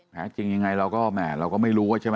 แท้จริงยังไงเราก็แหมเราก็ไม่รู้ว่าใช่ไหม